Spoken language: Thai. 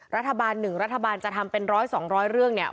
รัฐบาล๑รัฐบาลจะทำเป็นร้อยสองร้อยเรื่องเนี่ย